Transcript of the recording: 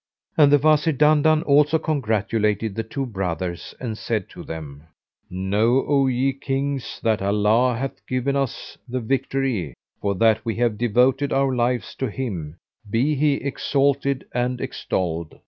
And the Wazir Dandan also congratulated the two brothers and said to them, "Know, O ye Kings, that Allah hath given us the victory, for that we have devoted our lives to Him (be He exalted and ex tolled!)